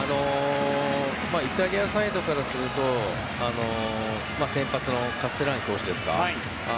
イタリアサイドからすると先発のカステラニ投手ですか。